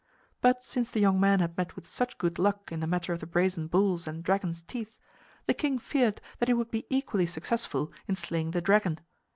But since the young man had met with such good luck in the matter of the brazen bulls and dragon's teeth, the king feared that he would be equally successful in slaying the dragon.